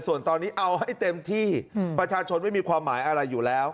ส่วนตอนนี้เอาให้เต็มที่ประชาชนไม่มีความหมายอะไรอยู่แล้ว